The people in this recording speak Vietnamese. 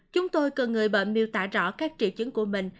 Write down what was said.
chúng tôi cần người bệnh miêu tả rõ các triệu chứng của mình